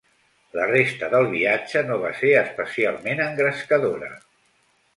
La resta del viatge no va ser especialment engrescadora.